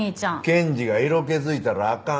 検事が色気づいたらあかん。